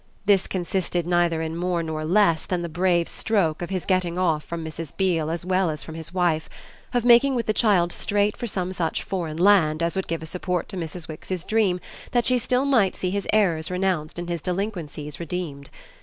This consisted neither in more nor in less than the brave stroke of his getting off from Mrs. Beale as well as from his wife of making with the child straight for some such foreign land as would give a support to Mrs. Wix's dream that she might still see his errors renounced and his delinquencies redeemed.